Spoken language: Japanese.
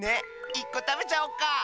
１こたべちゃおっか？